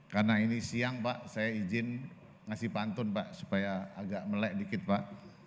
karena ini siang pak saya izin ngasih pantun pak supaya agak melek dikit pak